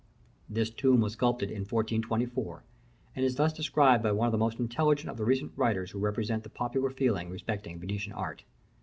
This tomb was sculptured in 1424, and is thus described by one of the most intelligent of the recent writers who represent the popular feeling respecting Venetian art.